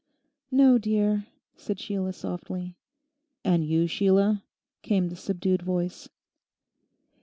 'No, dear,' said Sheila softly. 'And you, Sheila?' came the subdued voice.